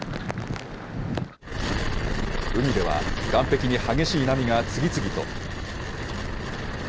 海では岸壁に激しい波が次々と。